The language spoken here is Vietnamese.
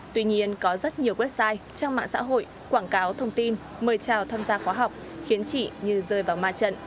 tuy nhiên có rất nhiều website trang mạng xã hội quảng cáo thông tin mời chào tham gia khóa học khiến chị như rơi vào ma trận